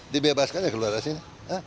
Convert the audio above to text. dibebaskan ya keluar dari sini